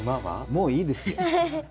もういいですよ。